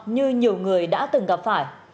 như nhiều người đã từng gặp phải